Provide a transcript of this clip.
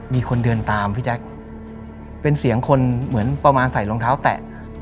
มีคนเดินตามพี่แจ๊คเป็นเสียงคนเหมือนประมาณใส่รองเท้าแตะ